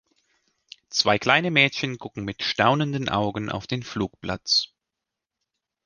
Zwei kleine Mädchen gucken mit staunenden Augen auf den Flugplatz.